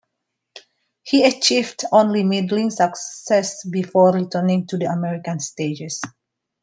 He achieved only middling success before returning to the American stages.